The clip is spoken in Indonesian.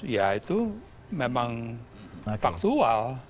ya itu memang faktual